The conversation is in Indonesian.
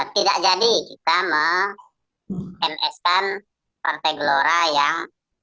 tidak jadi kita meng ms kan partai gelora yang